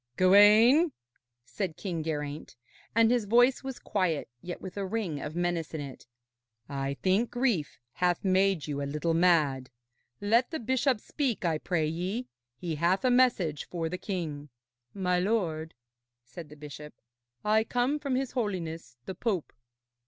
'Gawaine,' said King Geraint, and his voice was quiet, yet with a ring of menace in it, 'I think grief hath made you a little mad. Let the bishop speak, I pray ye. He hath a message for the king.' 'My lord,' said the bishop, 'I come from his Holiness the Pope.'